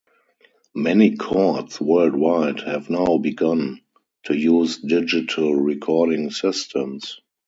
Many courts worldwide have now begun to use digital recording systems.